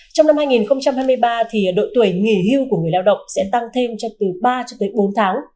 trong năm hai nghìn hai mươi ba thì đội tuổi nghỉ hưu của người lao động sẽ tăng thêm cho từ ba cho tới bốn tháng